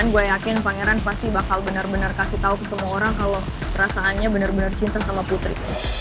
gue yakin pangeran pasti bakal bener bener kasih tau ke semua orang kalau perasaannya bener bener cinta sama putri